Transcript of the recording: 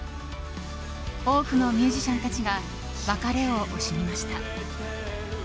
多くのミュージシャンたちが別れを惜しみました。